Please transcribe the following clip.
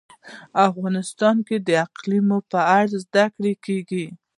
افغانستان کې د اقلیم په اړه زده کړه کېږي.